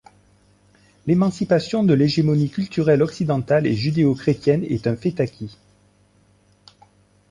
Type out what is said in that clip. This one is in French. L’émancipation de l’hégémonie culturelle occidentale et judéo chrétienne est un fait acquis.